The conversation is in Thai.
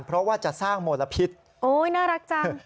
เพราะว่าจะสร้างมลพิษโอ้ยน่ารักจัง